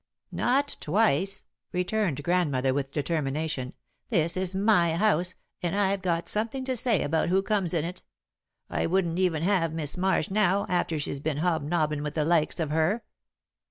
"Not twice," returned Grandmother, with determination. "This is my house, and I've got something to say about who comes in it. I wouldn't even have Mis' Marsh now, after she's been hobnobbin' with the likes of her."